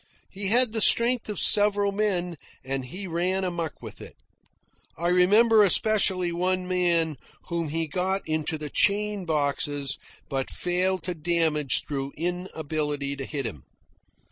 He had the strength of several men, and he ran amuck with it. I remember especially one man whom he got into the chain boxes but failed to damage through inability to hit him.